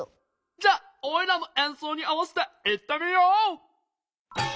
じゃオイラのえんそうに合わせていってみよう！